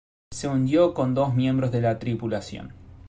Se hundió con dos miembros de la tripulación.